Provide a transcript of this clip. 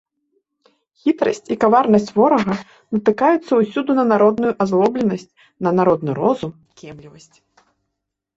Хітрасць і каварнасць ворага натыкаецца ўсюды на народную азлобленасць, на народны розум і кемлівасць.